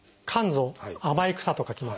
「甘い草」と書きます。